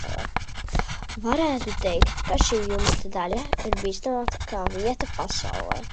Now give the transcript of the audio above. Varētu teikt, ka šī jumta daļa ir bīstamākā vieta pasaulē.